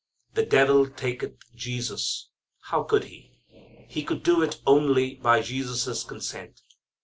The devil "taketh" Jesus. How could he? He could do it only by Jesus' consent.